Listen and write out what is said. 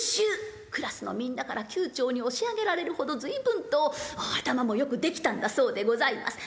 クラスのみんなから級長に押し上げられるほど随分と頭もよくできたんだそうでございます。